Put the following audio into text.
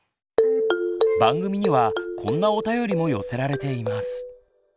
番組にはこんなお便りも寄せられています。